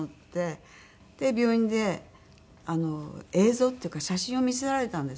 病院で映像っていうか写真を見せられたんですね。